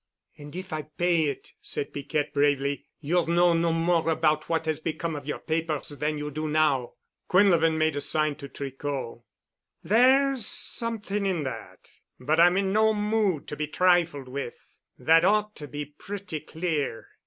"And if I pay it," said Piquette bravely, "you'll know no more about what has become of your papers than you do now." Quinlevin made a sign to Tricot. "There's something in that.—but I'm in no mood to be trifled with. That ought to be pretty clear."